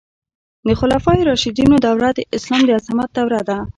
د خلفای راشدینو دوره د اسلام د عظمت دوره وه.